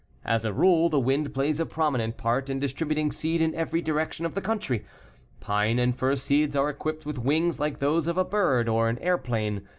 As a rule, the wind plays a prominent part in distributing seed in every section of the country. Pine and fir seeds are equipped with wings like those of a bird or an airplane.